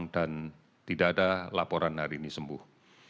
dan tidak ada laporan hari ini sembuh